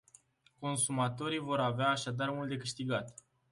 Consumatorii vor avea așadar mult de câștigat.